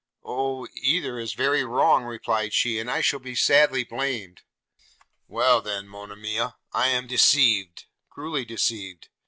'Oh! either is very wrong,' replied she, 'and I shall be sadly blamed.' 'Well then, Monimia, I am deceived, cruelly deceived.